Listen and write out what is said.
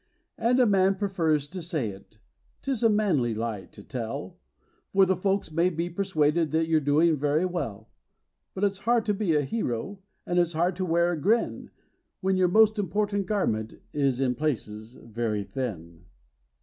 And a man prefers to say it 'tis a manly lie to tell, For the folks may be persuaded that you're doing very well ; But it's hard to be a hero, and it's hard to wear a grin, When your most important garment is in places very thin.